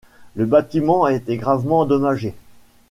Le bâtiment a été gravement endommagé.